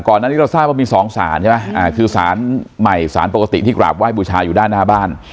ก่อนนั้นที่เราทราบว่ามีสองศาลคือศาลใหม่ศาลปกติที่กราบไหว้บูชาอยู่ด้านหน้าบ้าน